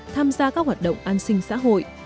tham gia các hoạt động an sinh xã hội